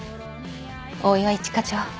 大岩一課長